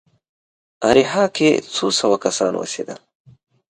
اریحا کې څو سوه کسان اوسېدل.